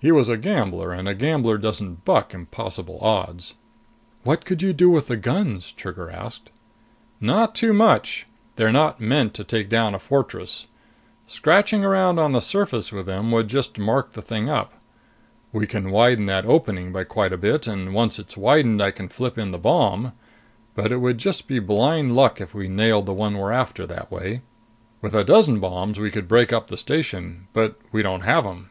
He was a gambler, and a gambler doesn't buck impossible odds. "What could you do with the guns?" Trigger asked. "Not too much. They're not meant to take down a fortress. Scratching around on the surface with them would just mark the thing up. We can widen that opening by quite a bit, and once it's widened, I can flip in the bomb. But it would be just blind luck if we nailed the one we're after that way. With a dozen bombs we could break up the station. But we don't have them."